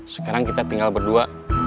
sekarang kita tinggal berdua